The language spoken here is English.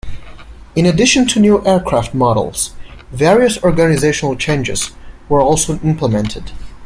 In addition to new aircraft models, various organisational changes were also implemented.